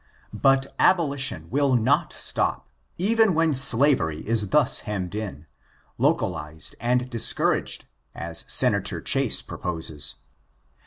"'But abolition will not stop, even when slavery is thus hemmed in, * localized and discouraged,' aa senator Chase proposes.